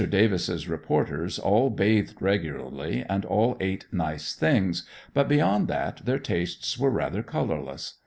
Davis' reporters all bathed regularly and all ate nice things, but beyond that their tastes were rather colorless.